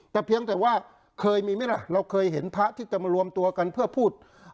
แต่เพียงแต่ว่าเคยมีไหมล่ะเราเคยเห็นพระที่จะมารวมตัวกันเพื่อพูด